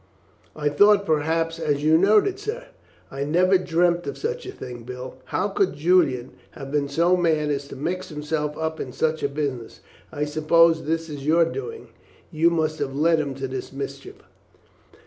"I thought perhaps as you knowed it, sir." "I never dreamt of such a thing, Bill. How could Julian have been so mad as to mix himself up in such a business? I suppose this is your doing; you must have led him into this mischief."